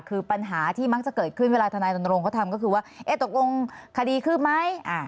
คือปัญหาที่มักจะเกิดขึ้นเวลาทนายรณรงเขาทำก็คือว่าตกลงคดีคืบไหม